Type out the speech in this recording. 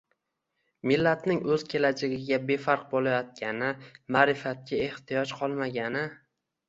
millatning o‘z kelajagiga befarq bo‘layotgani, ma’rifatga ehtiyoj «qolmagani»